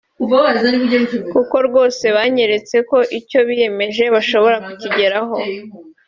kuko rwose banyeretse ko icyo biyemeje bashobora kukigeraho